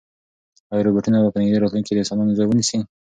ایا روبوټونه به په نږدې راتلونکي کې د انسانانو ځای ونیسي؟